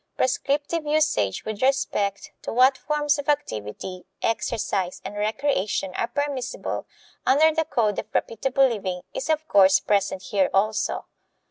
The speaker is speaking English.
Prescriptive usage with respect to what forms of activity, exercise, and recreation are permissible under the code of reputable living is of course present here also.